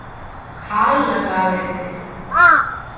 کال لڳاوي سي